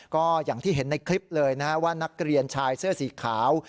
ก็อย่างที่เห็นในคลิปเลยนะฮะว่านักเรียนชายเสื้อสีขาว